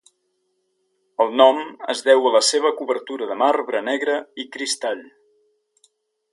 El nom es deu a la seva cobertura de marbre negre i cristall.